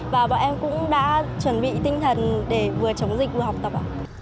và bọn em cũng đã chuẩn bị tinh thần để vừa chống dịch vừa học tập ạ